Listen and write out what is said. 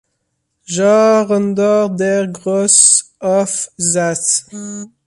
Jahrhunderts: der Grosse Aufsatz.